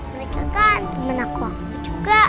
mereka kan menakut aku